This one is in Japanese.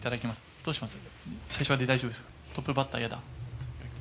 どうします？